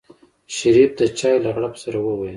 شريف د چای له غړپ سره وويل.